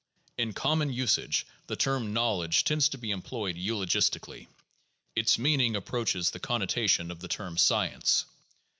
In common usage, the term knowledge tends to be employed eulogistic ally; its meaning approaches the connotation of the term science.